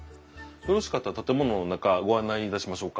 よろしかったら建物の中ご案内いたしましょうか？